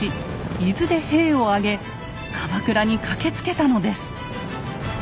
伊豆で兵を挙げ鎌倉に駆けつけたのです。